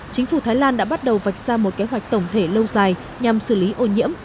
chính phủ thái lan đã bắt đầu vạch ra một kế hoạch tổng thể lâu dài nhằm xử lý ô nhiễm